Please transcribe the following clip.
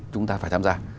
chúng ta phải tham gia